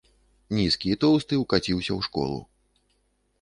Нізкі і тоўсты ўкаціўся ў школу.